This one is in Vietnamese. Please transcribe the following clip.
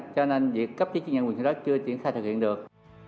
cho nên việc cấp giấy chứng nhận quyền sử dụng đất chưa tiến khai thực hiện được